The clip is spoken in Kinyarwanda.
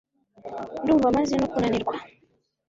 ndumva maze no kunanirwa